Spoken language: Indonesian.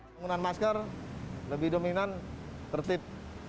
penggunaan masker lebih dominan tertib